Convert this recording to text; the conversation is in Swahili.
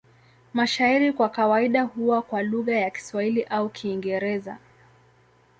Mashairi kwa kawaida huwa kwa lugha ya Kiswahili au Kiingereza.